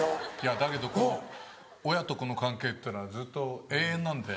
⁉だけど親と子の関係っていうのはずっと永遠なんで。